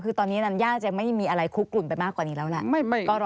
คือตอนนี้นัญญาจะไม่มีอะไรคุกกลุ่นไปมากกว่านี้แล้วแหละ